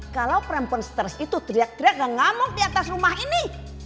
kalau perempuan stres itu teriak teriak dan ngamuk di atas rumah ini